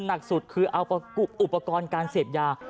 หนักสุดคือเอาอุปกรณ์การเสพยา